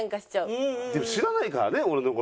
でも知らないからね俺の事。